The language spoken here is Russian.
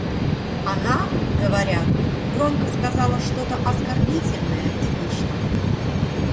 Она, говорят, громко сказала что-то оскорбительное и вышла.